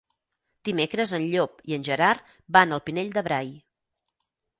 Dimecres en Llop i en Gerard van al Pinell de Brai.